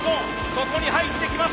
そこに入ってきます。